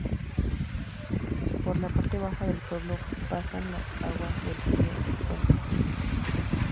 Por la parte baja del pueblo pasan las aguas del río Cifuentes.